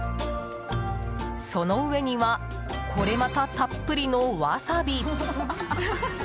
その上には、これまたたっぷりのワサビ！